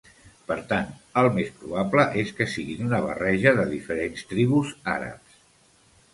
Per tant, el més probable és que siguin una barreja de diferents tribus àrabs.